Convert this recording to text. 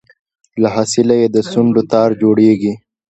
له حاصله یې د سونډو تار جوړیږي